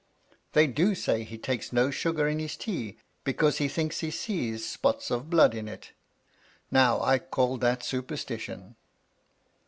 They do say he takes no sugar in his tea, because he thinks he sees spots of blood in it Now I call that superstition."